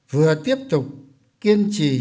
vừa tiếp tục kiên trì